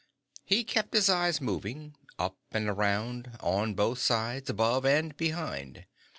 He kept his eyes moving up and around, on both sides, above, and behind.